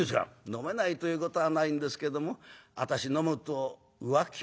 『飲めないということはないんですけども私飲むと浮気っぽくなるんですもの』